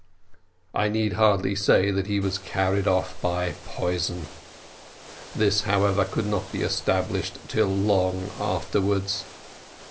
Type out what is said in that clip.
I need hardly say, that he was carried off by poison; this, however, could not be established till long afterwards.